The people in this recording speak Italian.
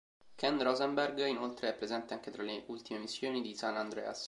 Ken Rosenberg inoltre è presente anche tra le ultime missioni di "San Andreas".